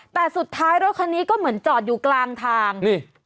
แต่สุดท้ายรถคันนี้ก็เหมือนจอดอยู่กลางทางนี่